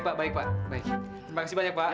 terima kasih banyak pak